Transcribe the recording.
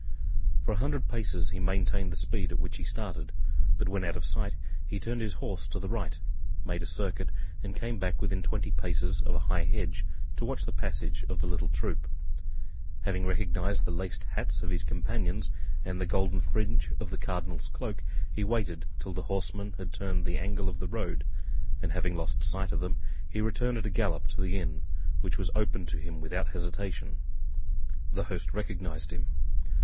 For a hundred paces he maintained the speed at which he started; but when out of sight he turned his horse to the right, made a circuit, and came back within twenty paces of a high hedge to watch the passage of the little troop. Having recognized the laced hats of his companions and the golden fringe of the cardinal's cloak, he waited till the horsemen had turned the angle of the road, and having lost sight of them, he returned at a gallop to the inn, which was opened to him without hesitation. The host recognized him.